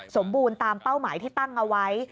สมบูรณ์ตามเป้าหมายที่ตั้งเอาไว้